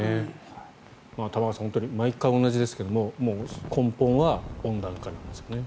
玉川さん、毎回同じですが根本は温暖化なんですよね。